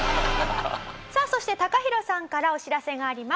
さあそしてＴＡＫＡＨＩＲＯさんからお知らせがあります。